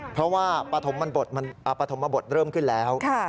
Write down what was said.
เพราะว่าปฐมบทเริ่มขึ้นแล้ว